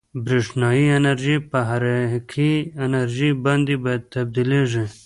برېښنايي انرژي په حرکي انرژي باندې تبدیلیږي.